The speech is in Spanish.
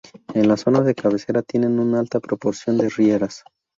En la zona de cabecera tienen una alta proporción de rieras.